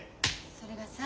それがさ